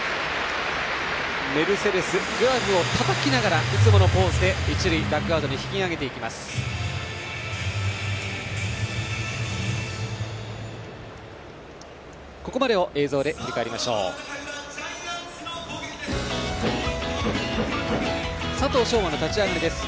メルセデスグラブをたたきながらいつものポーズで一塁のダグアウトに引き上げていきます。